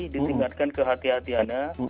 ditingkatkan ke hati hatianya